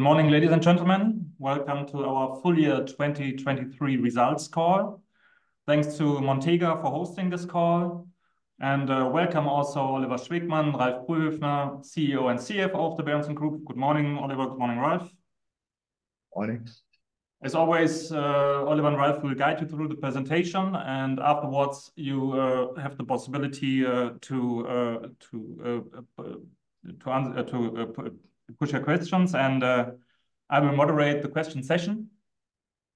Good morning, ladies and gentlemen. Welcome to our full year 2023 results call. Thanks to Montega for hosting this call, and welcome also Oliver Schwegmann, Ralf Brühöfner, CEO and CFO of the Berentzen Group. Good morning, Oliver. Good morning, Ralf. Morning. As always, Oliver and Ralf will guide you through the presentation, and afterwards, you have the possibility to push your questions. And I will moderate the question session.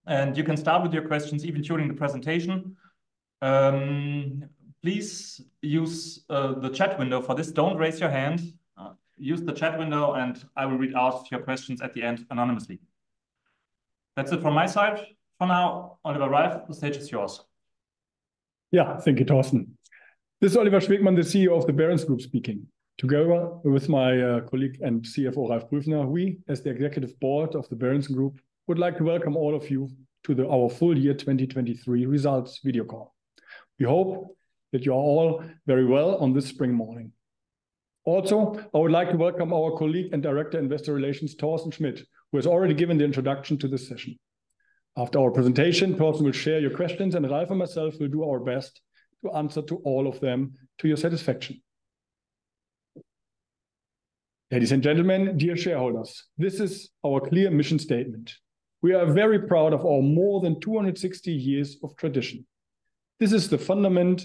And you can start with your questions even during the presentation. Please use the chat window for this. Don't raise your hand. Use the chat window, and I will read out your questions at the end anonymously. That's it from my side for now. Oliver, Ralf, the stage is yours. Yeah. Thank you, Thorsten. This is Oliver Schwegmann, the CEO of the Berentzen Group speaking. Together with my colleague and CFO, Ralf Brühöfner, we, as the executive board of the Berentzen Group, would like to welcome all of you to our full year 2023 results video call. We hope that you are all very well on this spring morning. Also, I would like to welcome our colleague and Director Investor Relations, Thorsten Schmitt, who has already given the introduction to this session. After our presentation, Thorsten will share your questions, and Ralf and myself will do our best to answer to all of them to your satisfaction. Ladies and gentlemen, dear shareholders, this is our clear mission statement. We are very proud of our more than 260 years of tradition. This is the fundament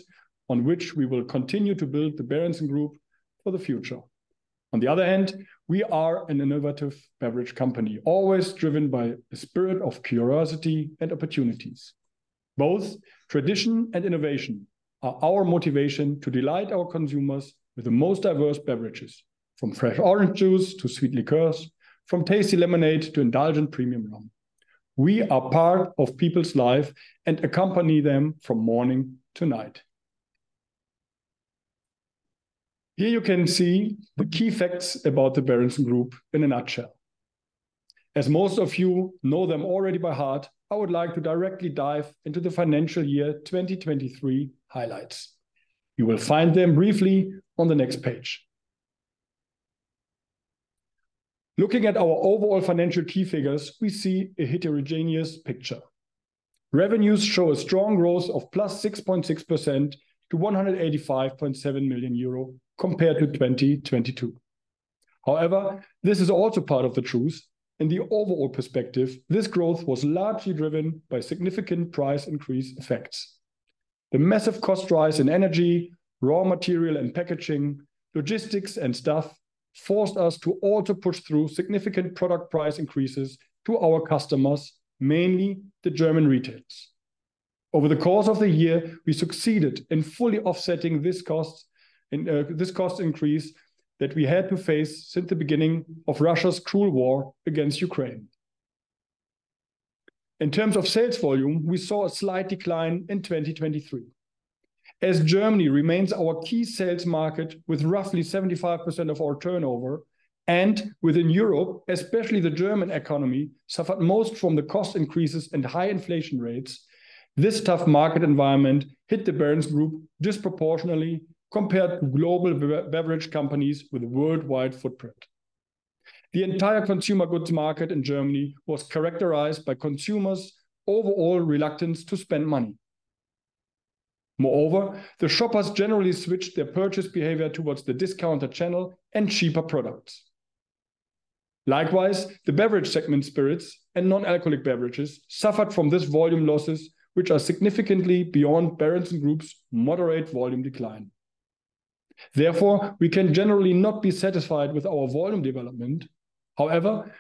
on which we will continue to build the Berentzen Group for the future. On the other hand, we are an innovative beverage company, always driven by a spirit of curiosity and opportunities. Both tradition and innovation are our motivation to delight our consumers with the most diverse beverages, from fresh orange juice to sweet liqueurs, from tasty lemonade to indulgent premium rum. We are part of people's life and accompany them from morning to night. Here you can see the key facts about the Berentzen Group in a nutshell. As most of you know them already by heart, I would like to directly dive into the financial year 2023 highlights. You will find them briefly on the next page. Looking at our overall financial key figures, we see a heterogeneous picture. Revenues show a strong growth of +6.6% to 185.7 million euro compared to 2022. However, this is also part of the truth. In the overall perspective, this growth was largely driven by significant price increase effects. The massive cost rise in energy, raw material and packaging, logistics, and staff forced us to also push through significant product price increases to our customers, mainly the German retailers. Over the course of the year, we succeeded in fully offsetting this costs and this cost increase that we had to face since the beginning of Russia's cruel war against Ukraine. In terms of sales volume, we saw a slight decline in 2023. As Germany remains our key sales market with roughly 75% of our turnover, and within Europe, especially the German economy, suffered most from the cost increases and high inflation rates, this tough market environment hit the Berentzen Group disproportionately compared to global beverage companies with worldwide footprint. The entire consumer goods market in Germany was characterized by consumers' overall reluctance to spend money. Moreover, the shoppers generally switched their purchase behavior towards the discounter channel and cheaper products. Likewise, the beverage segment Spirits and Non-alcoholic Beverages suffered from this volume losses, which are significantly beyond Berentzen Group's moderate volume decline. Therefore, we can generally not be satisfied with our volume development. However,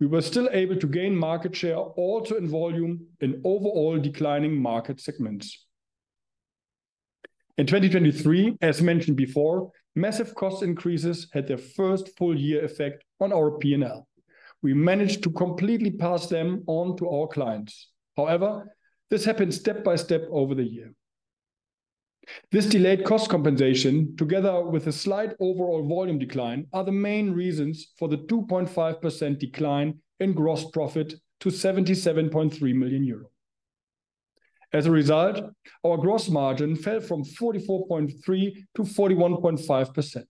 we were still able to gain market share also in volume in overall declining market segments. In 2023, as mentioned before, massive cost increases had their first full year effect on our P&L. We managed to completely pass them on to our clients. However, this happened step by step over the year. This delayed cost compensation, together with a slight overall volume decline, are the main reasons for the 2.5% decline in gross profit to 77.3 million euros. As a result, our gross margin fell from 44.3% to 41.5%.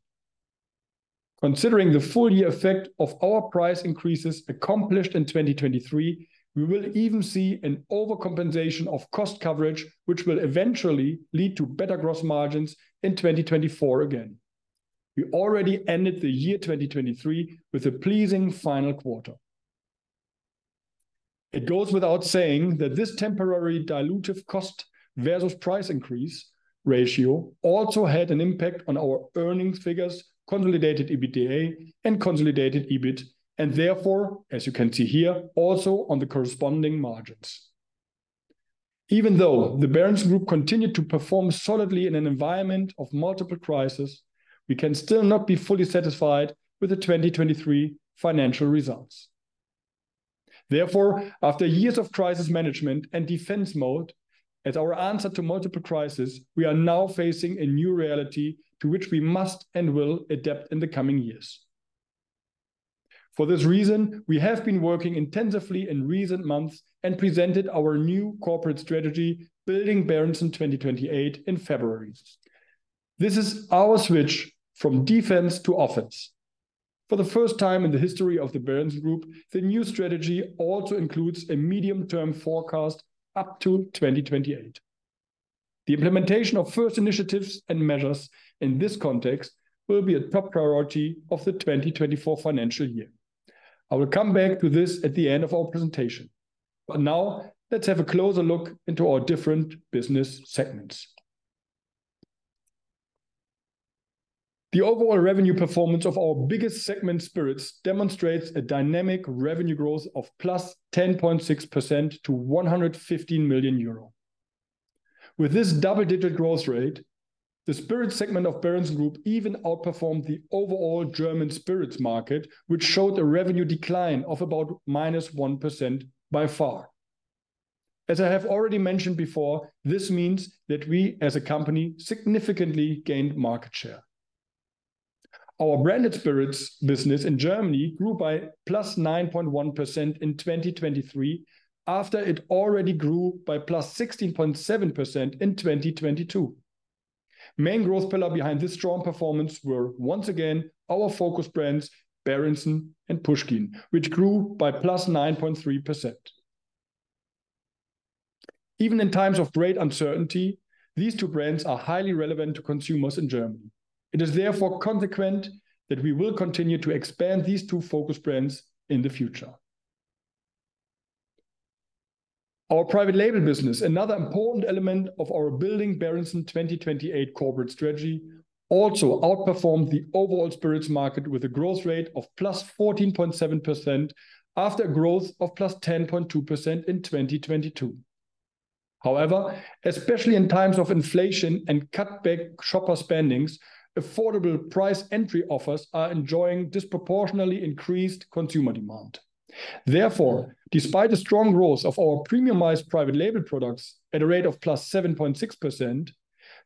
Considering the full year effect of our price increases accomplished in 2023, we will even see an overcompensation of cost coverage, which will eventually lead to better gross margins in 2024 again. We already ended the year 2023 with a pleasing final quarter. It goes without saying that this temporary dilutive cost versus price increase ratio also had an impact on our earnings figures, consolidated EBITDA and consolidated EBIT, and therefore, as you can see here, also on the corresponding margins. Even though the Berentzen Group continued to perform solidly in an environment of multiple crises, we can still not be fully satisfied with the 2023 financial results. Therefore, after years of crisis management and defense mode, as our answer to multiple crises, we are now facing a new reality to which we must and will adapt in the coming years. For this reason, we have been working intensively in recent months and presented our new corporate strategy, Building Berentzen 2028, in February. This is our switch from defense to offense. For the first time in the history of the Berentzen Group, the new strategy also includes a medium-term forecast up to 2028. The implementation of first initiatives and measures in this context will be a top priority of the 2024 financial year. I will come back to this at the end of our presentation, but now let's have a closer look into our different business segments. The overall revenue performance of our biggest segment, Spirits, demonstrates a dynamic revenue growth of +10.6% to 115 million euro. With this double-digit growth rate, the Spirits segment of Berentzen Group even outperformed the overall German spirits market, which showed a revenue decline of about -1% by far. As I have already mentioned before, this means that we, as a company, significantly gained market share. Our branded Spirits business in Germany grew by +9.1% in 2023, after it already grew by +16.7% in 2022. Main growth pillar behind this strong performance were, once again, our focus brands, Berentzen and Puschkin, which grew by +9.3%. Even in times of great uncertainty, these two brands are highly relevant to consumers in Germany. It is therefore consequent that we will continue to expand these two focus brands in the future. Our private label business, another important element of our Building Berentzen 2028 corporate strategy, also outperformed the overall spirits market with a growth rate of +14.7% after a growth of +10.2% in 2022. However, especially in times of inflation and cutback shopper spending, affordable price entry offers are enjoying disproportionately increased consumer demand. Therefore, despite the strong growth of our premiumized private label products at a rate of +7.6%,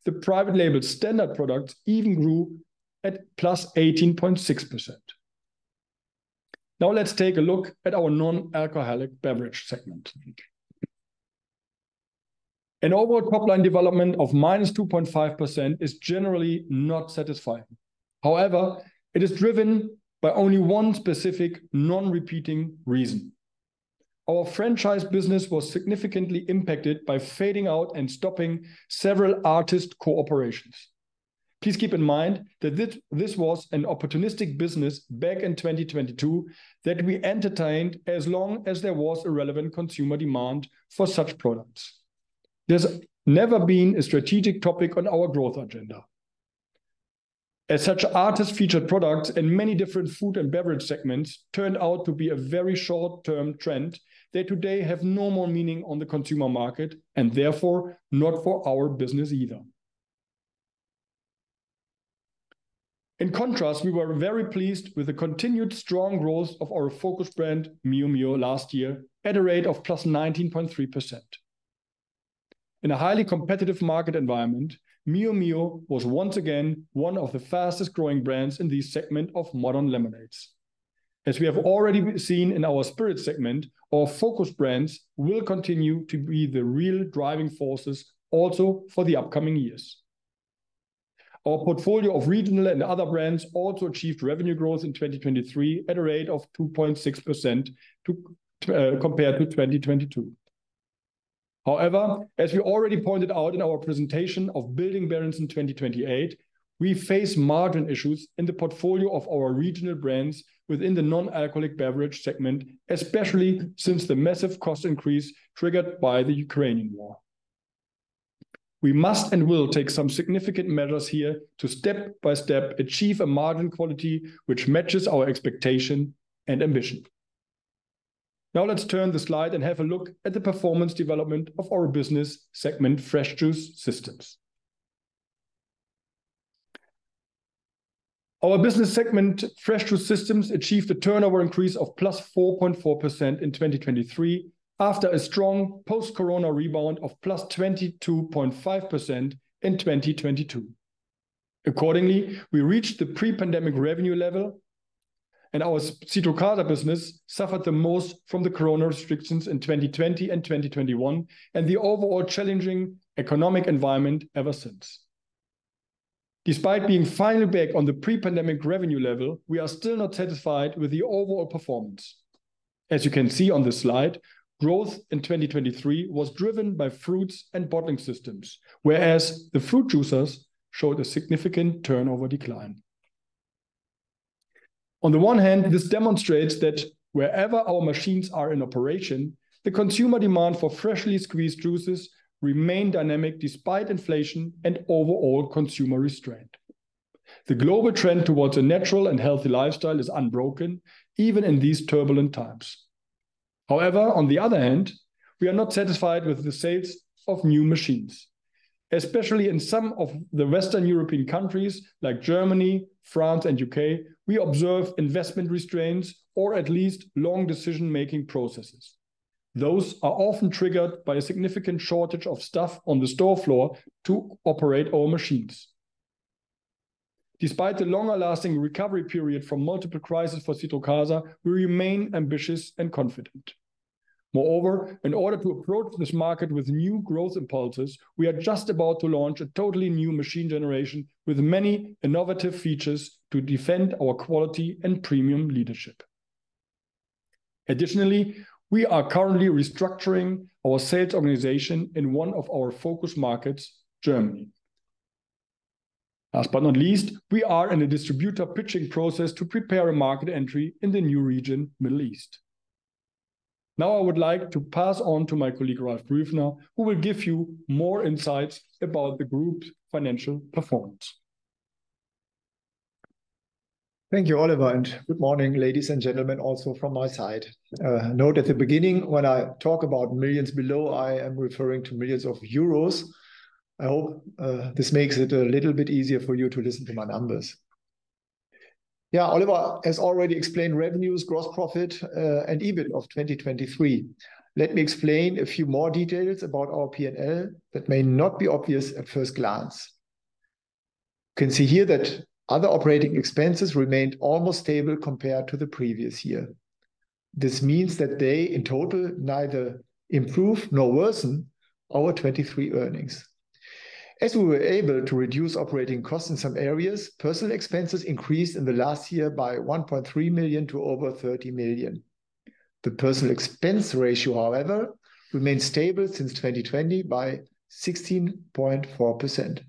the private label standard products even grew at +18.6%. Now let's take a look at our Non-alcoholic Beverages segment. An overall top-line development of -2.5% is generally not satisfying. However, it is driven by only one specific non-repeating reason. Our franchise business was significantly impacted by fading out and stopping several artist cooperations. Please keep in mind that this was an opportunistic business back in 2022 that we entertained as long as there was a relevant consumer demand for such products. This has never been a strategic topic on our growth agenda. As such, artist-featured products in many different food and beverage segments turned out to be a very short-term trend. They today have no more meaning on the consumer market and therefore not for our business either. In contrast, we were very pleased with the continued strong growth of our focus brand, Mio Mio, last year at a rate of +19.3%. In a highly competitive market environment, Mio Mio was once again one of the fastest-growing brands in the segment of modern lemonades. As we have already seen in our Spirit segment, our focus brands will continue to be the real driving forces also for the upcoming years. Our portfolio of regional and other brands also achieved revenue growth in 2023 at a rate of 2.6% compared to 2022. However, as we already pointed out in our presentation of Building Berentzen 2028, we face margin issues in the portfolio of our regional brands within the Non-alcoholic Beverage segment, especially since the massive cost increase triggered by the Ukrainian war. We must and will take some significant measures here to step by step achieve a margin quality which matches our expectation and ambition. Now let's turn the slide and have a look at the performance development of our business segment, Fresh Juice Systems. Our business segment, Fresh Juice Systems, achieved a turnover increase of +4.4% in 2023, after a strong post-corona rebound of +22.5% in 2022. Accordingly, we reached the pre-pandemic revenue level, and our Citrocasa business suffered the most from the corona restrictions in 2020 and 2021, and the overall challenging economic environment ever since. Despite being finally back on the pre-pandemic revenue level, we are still not satisfied with the overall performance. As you can see on this slide, growth in 2023 was driven by fruits and bottling systems, whereas the fruit juicers showed a significant turnover decline. On the one hand, this demonstrates that wherever our machines are in operation, the consumer demand for freshly squeezed juices remain dynamic, despite inflation and overall consumer restraint. The global trend towards a natural and healthy lifestyle is unbroken, even in these turbulent times. However, on the other hand, we are not satisfied with the sales of new machines. Especially in some of the Western European countries like Germany, France, and U.K., we observe investment restraints or at least long decision-making processes. Those are often triggered by a significant shortage of staff on the store floor to operate our machines. Despite the longer lasting recovery period from multiple crises for Citrocasa, we remain ambitious and confident. Moreover, in order to approach this market with new growth impulses, we are just about to launch a totally new machine generation with many innovative features to defend our quality and premium leadership. Additionally, we are currently restructuring our sales organization in one of our focus markets, Germany. Last but not least, we are in a distributor pitching process to prepare a market entry in the new region, Middle East. Now, I would like to pass on to my colleague, Ralf Brühöfner, who will give you more insights about the group's financial performance. Thank you, Oliver, and good morning, ladies and gentlemen, also from my side. Note at the beginning, when I talk about millions below, I am referring to millions of euros. I hope this makes it a little bit easier for you to listen to my numbers. Yeah, Oliver has already explained revenues, gross profit, and EBIT of 2023. Let me explain a few more details about our P&L that may not be obvious at first glance. You can see here that other operating expenses remained almost stable compared to the previous year. This means that they, in total, neither improve nor worsen our 2023 earnings. As we were able to reduce operating costs in some areas, personal expenses increased in the last year by 1.3 million to over 30 million. The personnel expense ratio, however, remained stable since 2020 by 16.4%.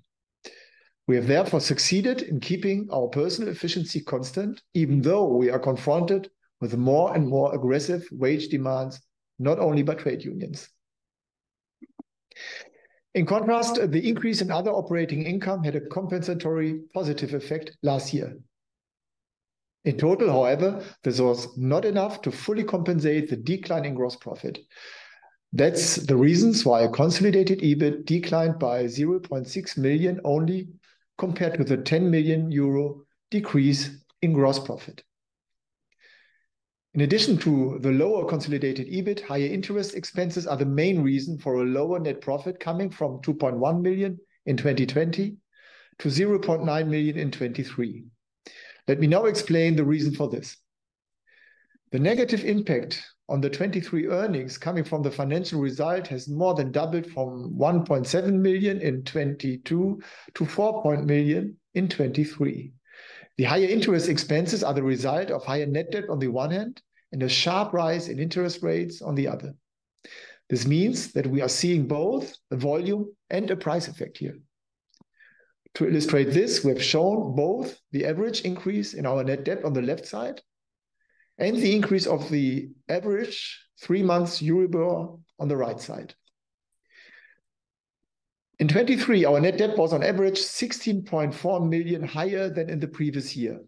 We have therefore succeeded in keeping our personnel efficiency constant, even though we are confronted with more and more aggressive wage demands, not only by trade unions. In contrast, the increase in other operating income had a compensatory positive effect last year. In total, however, this was not enough to fully compensate the decline in gross profit. That's the reason why a consolidated EBIT declined by 0.6 million only, compared with a 10 million euro decrease in gross profit. In addition to the lower consolidated EBIT, higher interest expenses are the main reason for a lower net profit, coming from 2.1 million in 2020 to 0.9 million in 2023. Let me now explain the reason for this. The negative impact on the 2023 earnings coming from the financial result has more than doubled from 1.7 million in 2022 to 4.0 million in 2023. The higher interest expenses are the result of higher net debt on the one hand, and a sharp rise in interest rates on the other. This means that we are seeing both a volume and a price effect here. To illustrate this, we have shown both the average increase in our net debt on the left side and the increase of the average three months EURIBOR on the right side. In 2023, our net debt was on average 16.4 million higher than in the previous year.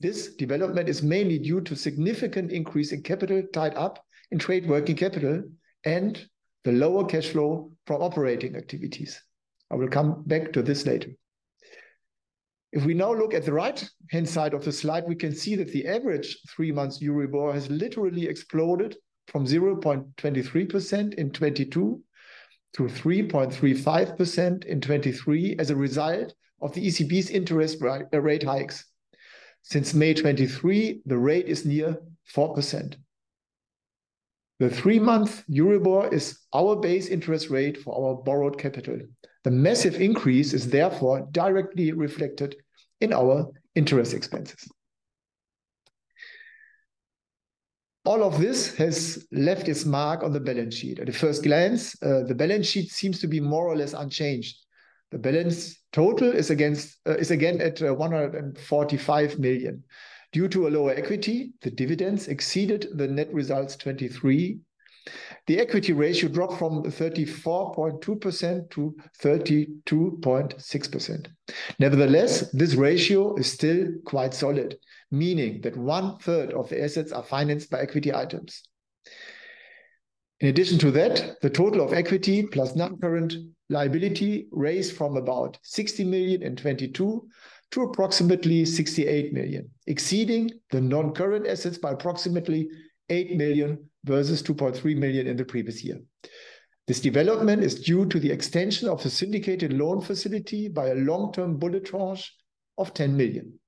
This development is mainly due to significant increase in capital tied up in trade working capital and the lower cash flow from operating activities. I will come back to this later. If we now look at the right-hand side of the slide, we can see that the average three-month EURIBOR has literally exploded from 0.23% in 2022 to 3.35% in 2023, as a result of the ECB's interest rate hikes. Since May 2023, the rate is near 4%. The three-month EURIBOR is our base interest rate for our borrowed capital. The massive increase is therefore directly reflected in our interest expenses. All of this has left its mark on the balance sheet. At first glance, the balance sheet seems to be more or less unchanged. The balance total is again at 145 million. Due to a lower equity, the dividends exceeded the net results 2023. The equity ratio dropped from 34.2% to 32.6%. Nevertheless, this ratio is still quite solid, meaning that one-third of the assets are financed by equity items. In addition to that, the total of equity plus non-current liability raised from about 60 million in 2022 to approximately 68 million, exceeding the non-current assets by approximately 8 million versus 2.3 million in the previous year. This development is due to the extension of the syndicated loan facility by a long-term bullet tranche of 10 million.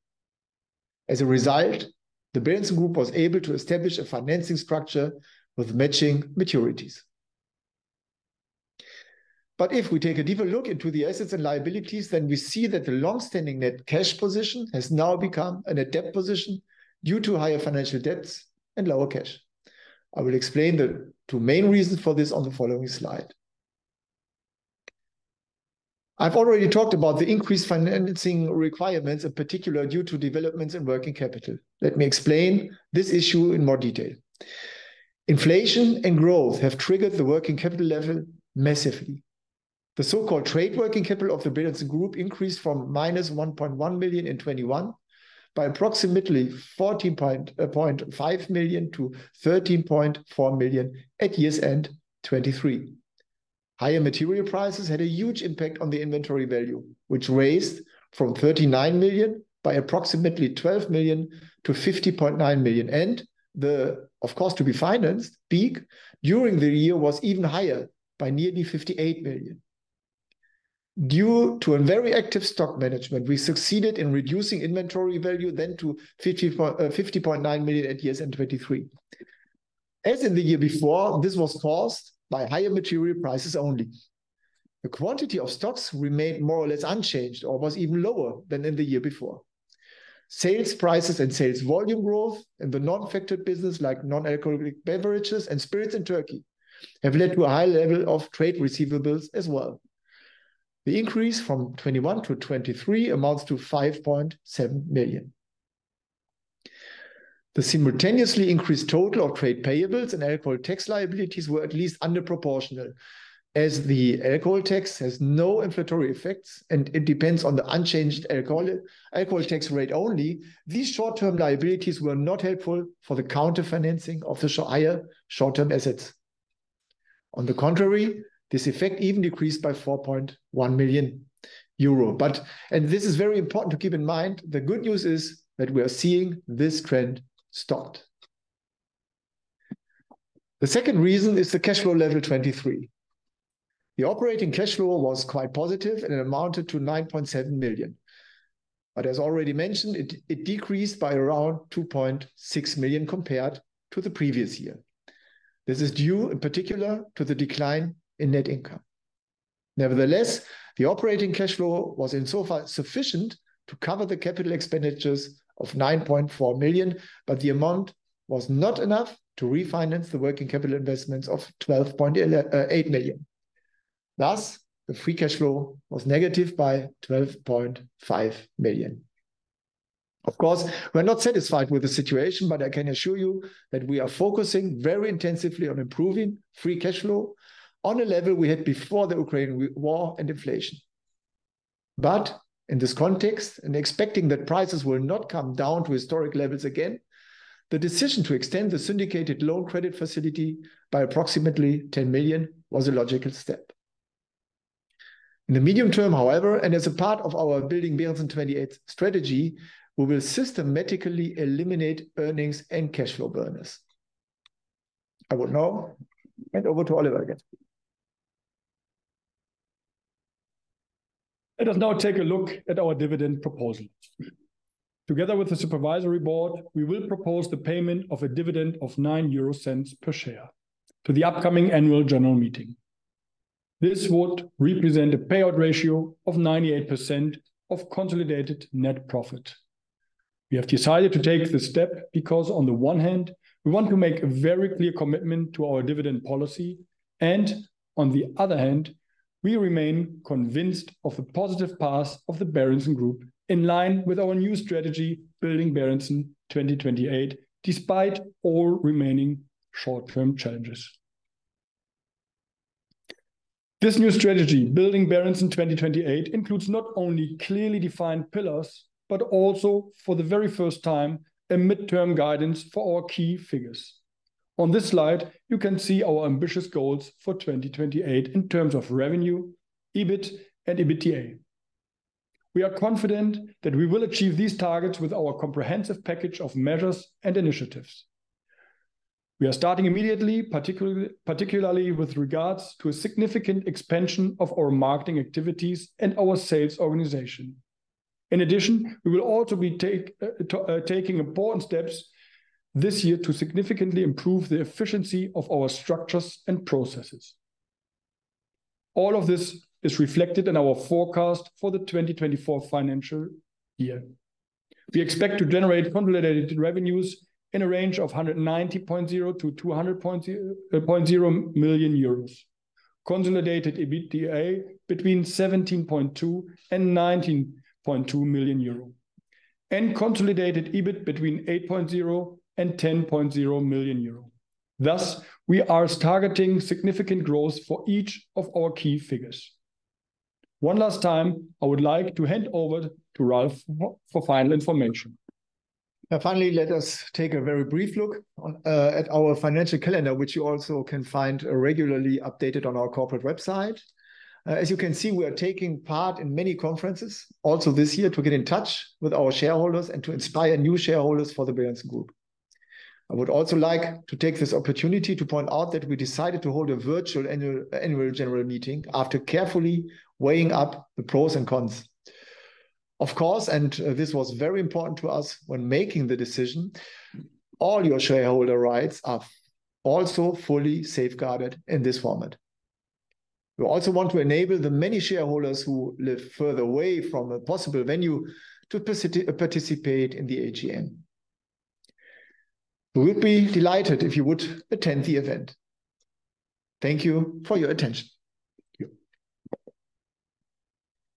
As a result, the Berentzen Group was able to establish a financing structure with matching maturities. But if we take a deeper look into the assets and liabilities, then we see that the long-standing net cash position has now become a net debt position due to higher financial debts and lower cash. I will explain the two main reasons for this on the following slide. I've already talked about the increased financing requirements, in particular, due to developments in working capital. Let me explain this issue in more detail. Inflation and growth have triggered the working capital level massively. The so-called trade working capital of the Berentzen Group increased from -1.1 million in 2021 by approximately 14.5 million to 13.4 million at year-end 2023. Higher material prices had a huge impact on the inventory value, which raised from 39 million by approximately 12 million to 50.9 million. And the, of course, to be financed, peak during the year was even higher by nearly 58 million due to a very active stock management, we succeeded in reducing inventory value then to 50.9 million at year-end 2023. As in the year before, this was caused by higher material prices only. The quantity of stocks remained more or less unchanged, or was even lower than in the year before. Sales prices and sales volume growth in the non-factored business, like non-alcoholic beverages and spirits in Turkey, have led to a high level of trade receivables as well. The increase from 2021 to 2023 amounts to 5.7 million. The simultaneously increased total of trade payables and alcohol tax liabilities were at least under proportional, as the alcohol tax has no inflatory effects, and it depends on the unchanged alcohol, alcohol tax rate only. These short-term liabilities were not helpful for the counter-financing of the higher short-term assets. On the contrary, this effect even decreased by 4.1 million euro. But... And this is very important to keep in mind, the good news is that we are seeing this trend stopped. The second reason is the cash flow level 2023. The operating cash flow was quite positive and it amounted to 9.7 million. But as already mentioned, it decreased by around 2.6 million compared to the previous year. This is due, in particular, to the decline in net income. Nevertheless, the operating cash flow was insofar sufficient to cover the capital expenditures of 9.4 million, but the amount was not enough to refinance the working capital investments of 8 million. Thus, the free cash flow was negative by 12.5 million. Of course, we're not satisfied with the situation, but I can assure you that we are focusing very intensively on improving free cash flow on a level we had before the Ukrainian war and inflation. But in this context, and expecting that prices will not come down to historic levels again, the decision to extend the syndicated loan credit facility by approximately 10 million was a logical step. In the medium term, however, and as a part of our Building Berentzen 2028 strategy, we will systematically eliminate earnings and cash flow burdens. I will now hand over to Oliver again. Let us now take a look at our dividend proposal. Together with the supervisory board, we will propose the payment of a dividend of 0.09 per share to the upcoming Annual General Meeting. This would represent a payout ratio of 98% of consolidated net profit. We have decided to take this step because, on the one hand, we want to make a very clear commitment to our dividend policy, and on the other hand, we remain convinced of the positive path of the Berentzen Group, in line with our new strategy, Building Berentzen 2028, despite all remaining short-term challenges. This new strategy, Building Berentzen 2028, includes not only clearly defined pillars, but also, for the very first time, a midterm guidance for our key figures. On this slide, you can see our ambitious goals for 2028 in terms of revenue, EBIT, and EBITDA. We are confident that we will achieve these targets with our comprehensive package of measures and initiatives. We are starting immediately, particularly with regards to a significant expansion of our marketing activities and our sales organization. In addition, we will also be taking important steps this year to significantly improve the efficiency of our structures and processes. All of this is reflected in our forecast for the 2024 financial year. We expect to generate consolidated revenues in a range of 190.0 million-200.0 million euros. Consolidated EBITDA between 17.2 million and 19.2 million euro, and consolidated EBIT between 8.0 million and 10.0 million euro. Thus, we are targeting significant growth for each of our key figures. One last time, I would like to hand over to Ralf for final information. Now, finally, let us take a very brief look at our financial calendar, which you also can find regularly updated on our corporate website. As you can see, we are taking part in many conferences also this year, to get in touch with our shareholders and to inspire new shareholders for the Berentzen Group. I would also like to take this opportunity to point out that we decided to hold a virtual Annual General Meeting after carefully weighing up the pros and cons. Of course, this was very important to us when making the decision; all your shareholder rights are also fully safeguarded in this format. We also want to enable the many shareholders who live further away from a possible venue to participate in the AGM. We'd be delighted if you would attend the event. Thank you for your attention. Thank you.